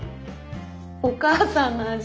お母さんの味。